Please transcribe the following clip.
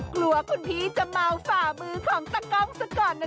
กลัวคุณพี่จะเมาฝ่ามือของตะกล้องซะก่อนนะ